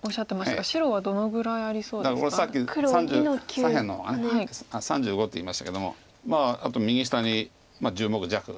左辺の方が３５って言いましたけどもあと右下に１０目弱。